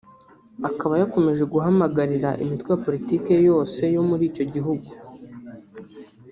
Akaba yakomeje guhamagarira imitwe ya politike yose yo muri icyo gihugu